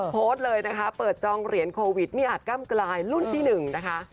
โพสต์เลยนะคะเปิดจองเหรียญโควิดไม่อาจก้ำกลายรุ่นที่๑นะคะ